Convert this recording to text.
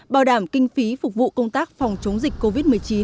bảo đảm kinh phí phục vụ công tác phòng chống dịch covid một mươi chín